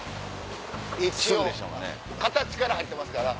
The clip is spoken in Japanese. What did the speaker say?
一応形から入ってますから。